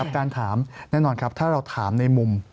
การถามแน่นอนครับถ้าเราถามในมุม